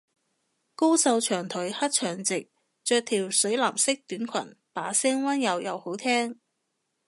高瘦長腿黑長直，着條水藍色短裙，把聲溫柔又好聽